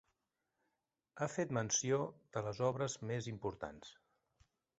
Ha fet menció de les obres més importants.